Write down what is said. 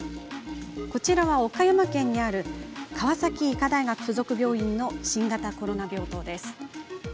こちらは岡山県にある川崎医科大学附属病院の新型コロナ病棟です。